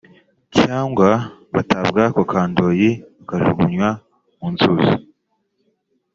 cyangwa batabwa ku ka ndoyi bakajugunywa mu nzuzi